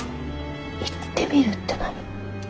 「いってみる？」って何？